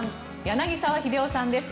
柳澤秀夫さんです。